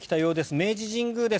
明治神宮です。